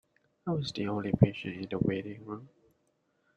I was the only patient in the waiting room.